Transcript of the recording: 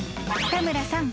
［田村さん。